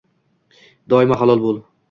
Doimo halol bo‘l.